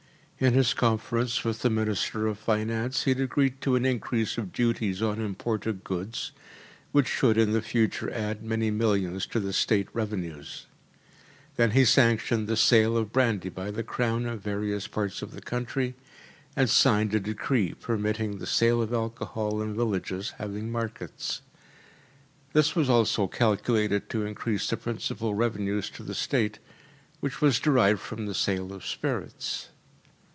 In his conference with the Minister of Finance he had agreed to an increase of duties on imported goods, which should in the future add many millions to the State revenues. Then he sanctioned the sale of brandy by the Crown in various parts of the country, and signed a decree permitting the sale of alcohol in villages having markets. This was also calculated to increase the principal revenue to the State, which was derived from the sale of spirits.